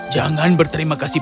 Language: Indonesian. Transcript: jangan berterima kasih